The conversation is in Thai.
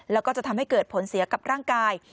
แล้วก็จะทำให้เกิดผลเสียกับร่างกาย